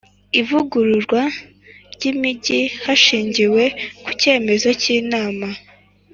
ivugururwa ry’imijyi hashingiwe ku cyemezo cy Inama.